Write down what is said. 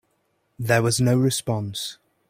There was no response.